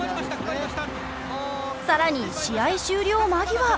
更に試合終了間際。